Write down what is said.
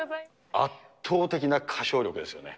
圧倒的な歌唱力ですよね。